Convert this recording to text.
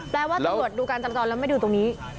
แปลว่าตำรวจดูการจำจรแล้วไม่ดูตรงนี้